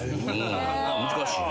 難しいな。